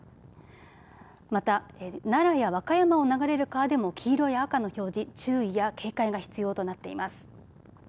また、奈良や和歌山を流れる川でも黄色や赤の表示注意や警戒が必要となっています。